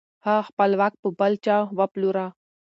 هغه خپل واک په بل چا وپلوره.